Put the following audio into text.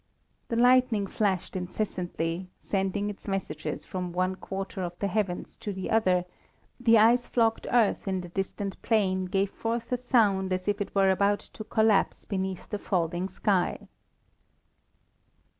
The lightning flashed incessantly, sending its messages from one quarter of the heavens to the other, the ice flogged earth in the distant plain gave forth a sound as if it were about to collapse beneath the falling sky.